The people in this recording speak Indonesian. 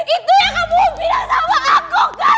itu yang kamu bilang sama aku kan